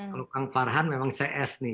kalau kang farhan memang cs nih